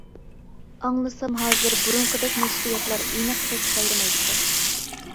ئاڭلىسام ھازىر بۇرۇنقىدەك نەشرىياتلار ئېنىق كەسىپ ئايرىمايدىكەن.